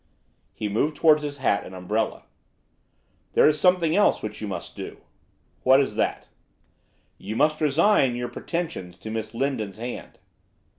He moved towards his hat and umbrella. 'There is something else which you must do.' 'What is that?' 'You must resign your pretensions to Miss Lindon's hand.